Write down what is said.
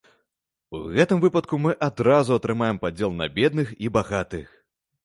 У гэтым выпадку мы адразу атрымаем падзел на бедных і багатых.